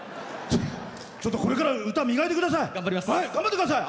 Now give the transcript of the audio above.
ちょっと、これから歌、磨いてください。